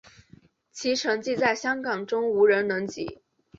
其成绩在香港中无人能及。